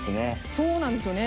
そうなんですよね。